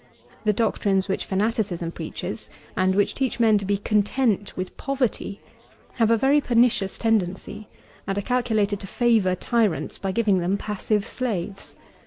The doctrines which fanaticism preaches, and which teach men to be content with poverty, have a very pernicious tendency, and are calculated to favour tyrants by giving them passive slaves.